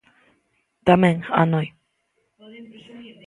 Tamén Hanoi.